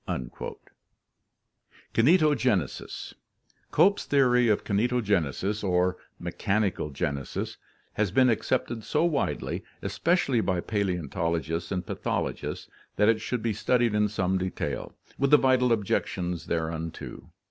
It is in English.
KINETOGENESIS Cope's theory of kinetogenesis or "mechanical genesis" has been accepted so widely, especially by paleontologists and pathologists, that it should be studied in Some detail, with the vital objections thereunto.